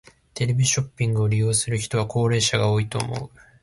テレビショッピングを利用する人は高齢者が多いと思う。